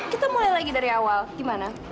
kita mulai lagi dari awal gimana